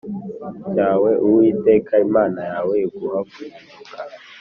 Cyawe uwiteka imana yawe iguha guhinduka